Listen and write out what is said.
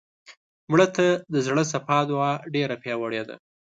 مړه ته د زړه صفا دعا ډېره پیاوړې ده